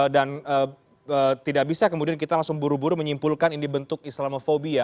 dan tidak bisa kemudian kita langsung buru buru menyimpulkan ini bentuk islamofobia